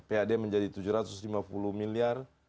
pad menjadi tujuh ratus lima puluh miliar